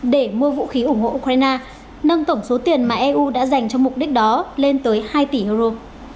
để mua vũ khí ủng hộ ukraine nâng tổng số tiền mà eu đã dành cho mục đích đó lên tới hai tỷ euro